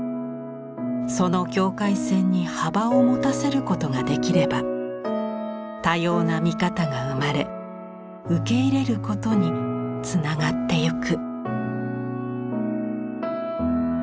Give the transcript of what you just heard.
その境界線に幅を持たせることができれば多様な見方が生まれ受け入れることにつながってゆく。